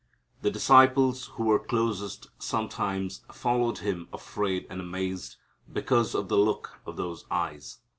The disciples who were closest sometimes followed him afraid and amazed because of the look of those eyes.